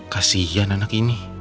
kasian anak ini